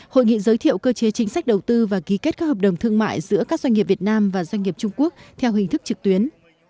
hội nghị giới thiệu cơ chế chính sách đầu tư và ký kết các hợp đồng thương mại giữa các doanh nghiệp việt nam và doanh nghiệp trung quốc theo hình thức trực tuyến